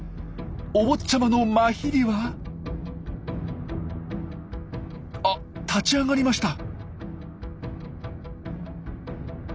お坊ちゃまのマヒリはあ立ち上がりました。